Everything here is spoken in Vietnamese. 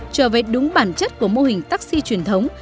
trở về đúng bản chất của mô hình taxi truyền thống